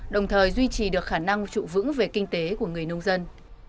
đồng thời duy trì được khả năng trụ vững về kinh tế của người nông dân